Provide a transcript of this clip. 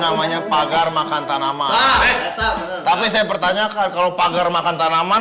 namanya pagar makan tanaman tapi saya pertanyakan kalau pagar makan tanaman